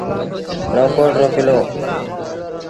نئون ڪوٽ رو ڪلو۔